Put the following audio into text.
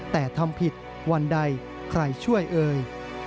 แต่ทำผิดวันใดใครช่วยเอ่ย